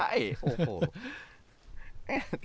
ใช่โอ้โห